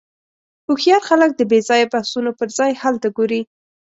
هوښیار خلک د بېځایه بحثونو پر ځای حل ته ګوري.